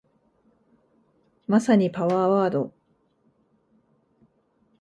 まさにパワーワード